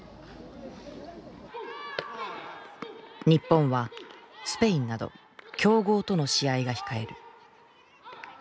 日本はスペインなど強豪との試合が控える。